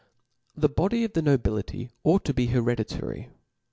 / The body of the nobility ought to be heredita ry.